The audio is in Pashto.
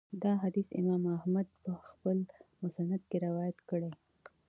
دا حديث امام احمد په خپل مسند کي روايت کړی